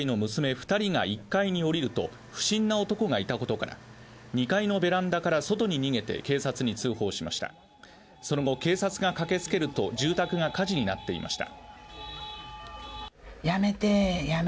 二人が１階に下りると不審な男がいた事から２階のベランダから外に逃げて警察に通報しましたその後警察が駆けつけると住宅が火事になっていました